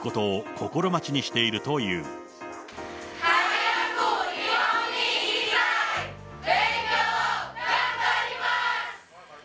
勉強、頑張ります。